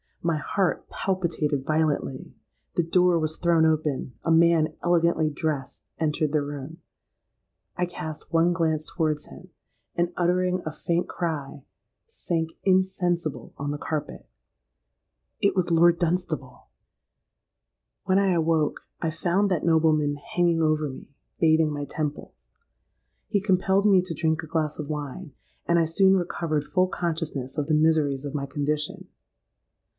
My heart palpitated violently! The door was thrown open;—a man elegantly dressed entered the room;—I cast one glance towards him, and, uttering a faint cry, sank insensible on the carpet. It was Lord Dunstable! "When I awoke, I found that nobleman hanging over me, bathing my temples. He compelled me to drink a glass of wine; and I soon recovered full consciousness of the miseries of my condition.